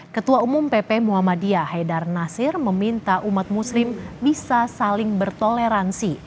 ketua umum pp muhammadiyah haidar nasir meminta umat muslim bisa saling bertoleransi